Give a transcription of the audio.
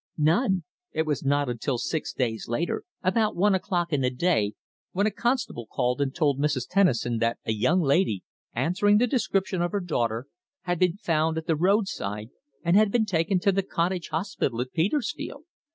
"None. It was not till six days later about one o'clock in the day, when a constable called and told Mrs. Tennison that a young lady answering the description of her daughter had been found at the roadside, and had been taken to the cottage hospital at Petersfield.